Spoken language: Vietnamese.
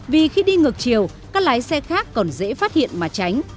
vì khi đi ngược chiều các lái xe khác còn dễ phát hiện mà tránh